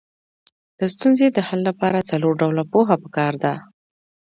د ستونزې د حل لپاره څلور ډوله پوهه پکار ده.